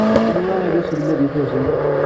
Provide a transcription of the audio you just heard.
Anwa i d aselmad-im ifazen?